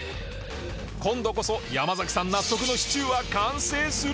今度こそ山崎さん納得のシチューは完成するのか？